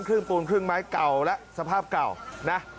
ครึ่งปูนครึ่งไม้เก่าและสภาพเก่านะ